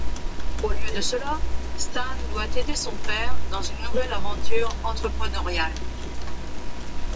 Au lieu de cela, Stan doit aider son père dans une nouvelle aventure entrepreneuriale.